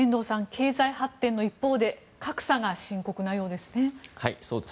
経済発展の一方で格差が深刻なようですね。